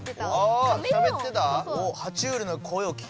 おしゃべってた？